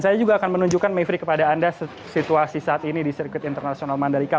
saya juga akan menunjukkan mayfrey kepada anda situasi saat ini di sirkuit internasional mandalika